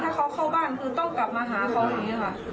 ถ้าเขาเข้าบ้านคือต้องกลับมาหาเขาอย่างนี้ค่ะ